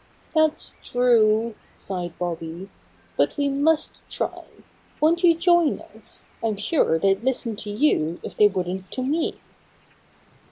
"That's true," sighed Bobby, "but we must try. Won't you join us? I'm sure they'd listen to you if they wouldn't to me."